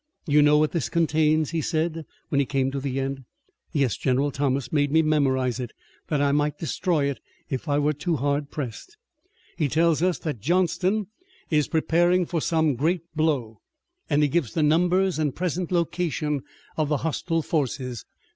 "You know what this contains?" he said, when he came to the end. "Yes, General Thomas made me memorize it, that I might destroy it if I were too hard pressed." "He tells us that Johnston is preparing for some great blow and he gives the numbers and present location of the hostile forces.